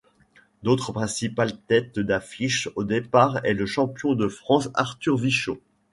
L'autre principale tête d'affiche au départ est le champion de France Arthur Vichot.